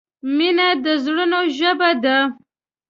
مینه د زړونو ژبه ده.